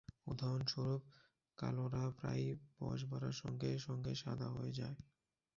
উদাহরণস্বরূপ, কালোরা প্রায়ই বয়স বাড়ার সঙ্গে সঙ্গে সাদা হয়ে যায়।